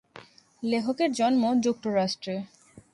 লেখকের জন্ম যুক্তরাষ্ট্রে।